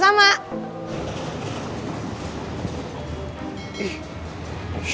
siapa juga yang bilang makasih